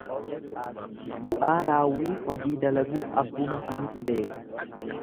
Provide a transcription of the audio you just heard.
Bu'aa raawwii hojii dalaguu abbuma sanitu beeka.